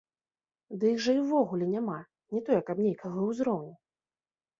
Дык іх жа і ўвогуле няма, не тое, каб нейкага ўзроўню!